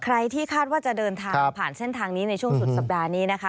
ใครที่คาดว่าจะเดินทางผ่านเส้นทางนี้ในช่วงสุดสัปดาห์นี้นะคะ